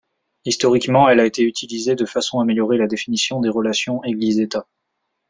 Historiquement elle a été utilisée de façon à améliorer la définition des relations Église-État.